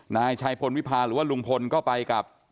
นายชัยพลวิพาหรือว่าลุงพลก็ไปกับ